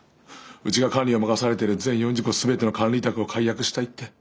うちが管理を任されている全４０戸全ての管理委託を解約したいって。